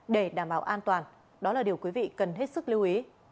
để đảm bảo an toàn đó là điều quý vị cần hết sức lưu ý